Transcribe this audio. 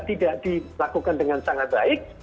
tidak dilakukan dengan sangat baik